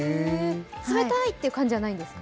冷たい！という感じはないんですか？